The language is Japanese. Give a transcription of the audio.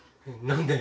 何で？